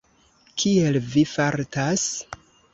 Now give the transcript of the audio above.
Kiel vi fartas?